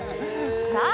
さあ